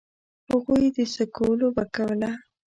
هغوی د سکو لوبه کوله.